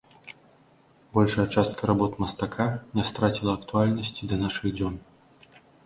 Большая частка работ мастака не страціла актуальнасці да нашых дзён.